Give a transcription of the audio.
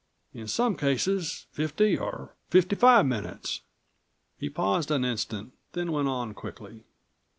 In some cases fifty or fifty five minutes." He paused an instant, then went on quickly.